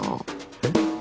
えっ？